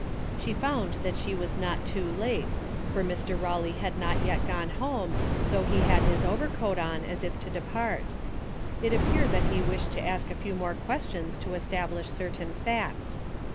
She found that she was not too late, for Mr. Eawley had not yet gone home, though he had his overcoat on as if about to depart. It appeared that he wished to ask a few more questions to establish certain facts.